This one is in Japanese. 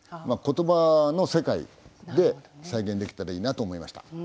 まあ言葉の世界で再現できたらいいなと思いました。